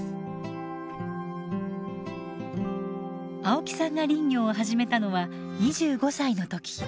青木さんが林業を始めたのは２５歳の時。